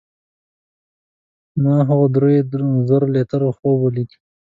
ما خو د دریو زرو لیرو خوب لیده.